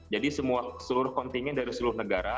jadi seluruh kontingen dari seluruh negara